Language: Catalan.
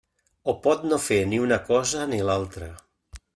O pot no fer ni una cosa ni l'altra.